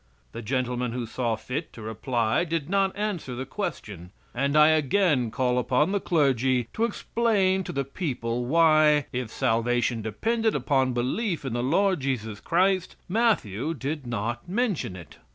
The gentlemen who saw fit to reply did not answer the question, and I again call upon the clergy to explain to the people why, if salvation depended upon belief in the Lord Jesus Christ, Matthew did not mention it.